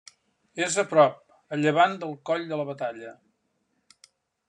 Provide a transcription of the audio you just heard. És a prop a llevant del Coll de la Batalla.